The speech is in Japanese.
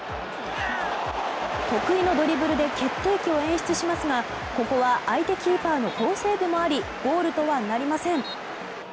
得意のドリブルで決定機を演出しますがここは相手キーパーの好セーブもありゴールとはなりません。